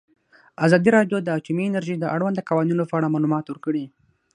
ازادي راډیو د اټومي انرژي د اړونده قوانینو په اړه معلومات ورکړي.